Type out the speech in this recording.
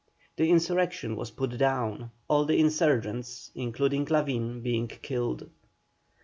The insurrection was put down, all the insurgents, including Lavin, being killed.